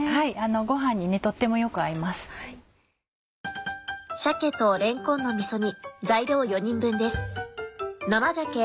ご飯にとってもよく合います。